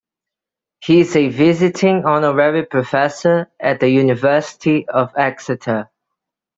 He is a visiting honorary professor at the University of Exeter.